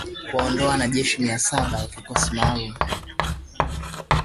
Kuwaondoa wanajeshi mia saba wa kikosi maalum